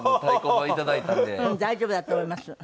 うん大丈夫だと思いますよ。